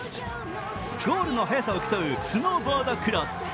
ゴールの速さを競うスノーボードクロス。